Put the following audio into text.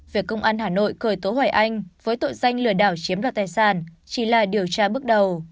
việc công an hà nội cởi tố hoài anh với tội danh lừa đảo chiếm đoạt tài sản chỉ là điều tra bước đầu